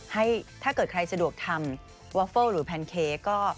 ให้ถ้าเกิดใครสะดวกทำวัอเฟิลล์หรือแพนเค้ก